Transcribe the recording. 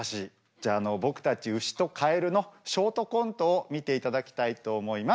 じゃああの僕たちうしとカエルのショートコントを見ていただきたいと思います。